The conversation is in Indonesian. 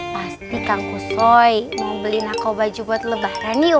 pasti tangguh soi mau beli aku baju buat lebah raniup